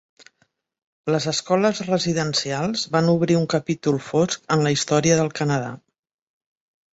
Les escoles residencials van obrir un capítol fosc en la història del Canadà.